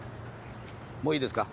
もういいですか？